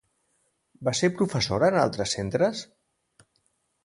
Va ser professora en altres centres?